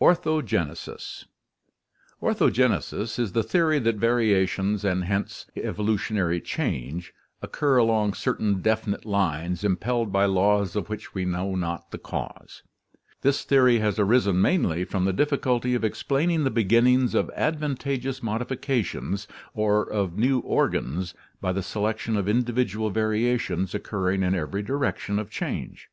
ORTHOGENESIS Orthogenesis (Gr. 6p0<k9 straight, and yfreats, production) is the theory that variations and hence evolutionary change occur along certain definite lines impelled by laws of which we know not the cause. This theory has arisen mainly from the difficulty of explaining the beginnings of advantageous modifications or of new organs by the selection of individual variations occurring in every direction of change.